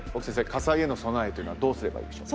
火災への備えというのはどうすればいいでしょう？